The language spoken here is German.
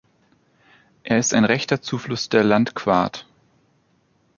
Er ist ein rechter Zufluss der Landquart.